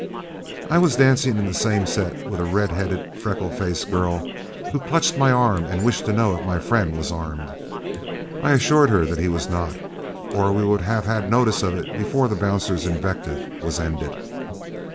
I was dancing in the same set with a red headed, freckled faced girl, who clutched my arm and wished to know if my friend was armed. I assured her that he was not, or we would have had notice of it before the bouncer's invective was ended.